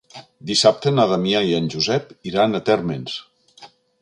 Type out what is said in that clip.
Dissabte na Damià i en Josep iran a Térmens.